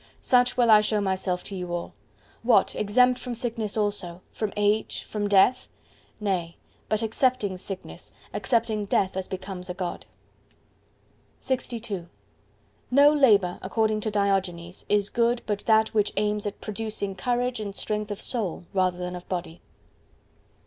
... Such will I show myself to you all.—"What, exempt from sickness also: from age, from death?"—Nay, but accepting sickness, accepting death as becomes a God! LXII No labour, according to Diogenes, is good but that which aims at producing courage and strength of soul rather than of body.